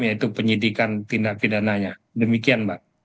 yaitu penyidikan tindak pidananya demikian mbak